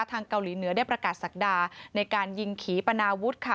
ทางเกาหลีเหนือได้ประกาศศักดาในการยิงขี่ปนาวุฒิค่ะ